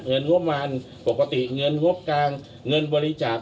งบมารปกติเงินงบกลางเงินบริจาค